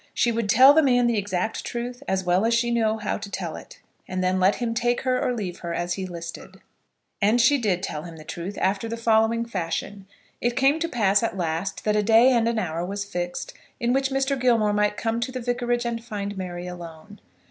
She would tell the man the exact truth as well as she knew how to tell it, and then let him take her or leave her as he listed. And she did tell him the truth, after the following fashion. It came to pass at last that a day and an hour was fixed in which Mr. Gilmore might come to the vicarage and find Mary alone.